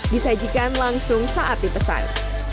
disajikan langsung saat dipesan